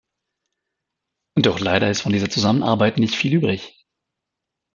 Doch leider ist von dieser Zusammenarbeit nicht viel übrig.